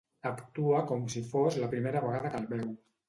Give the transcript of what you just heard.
Actua com si fos la primera vegada que el veu.